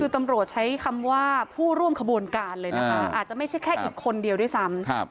คือตำรวจใช้คำว่าผู้ร่วมขบวนการเลยนะคะอาจจะไม่ใช่แค่อีกคนเดียวด้วยซ้ำ